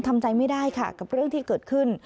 ทำใจไม่ได้ค่ะกับเรื่องที่เกิดขึ้น